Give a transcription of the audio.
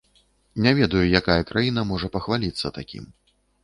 Не ведаю, якая краіна можа пахваліцца такім.